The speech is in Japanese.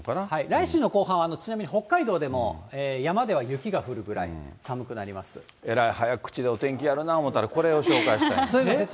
来週の後半は、ちなみに北海道でも山では雪が降るぐらい寒くえらい早口でお天気やるなと思ったら、これを紹介したいんですね。